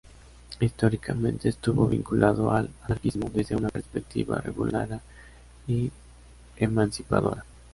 Históricamente estuvo vinculado al anarquismo, desde una perspectiva revolucionaria y emancipadora.